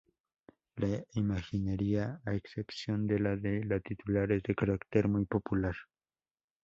La imaginería, a excepción de la de la titular, es de carácter muy popular.